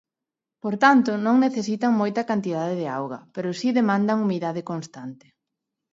Por tanto, non necesitan moita cantidade de auga, pero si demandan humidade constante.